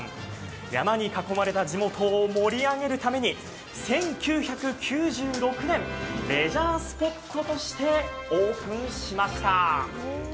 山に囲まれた地元を盛り上げるために１９９６年、レジャースポットとしてオープンしました。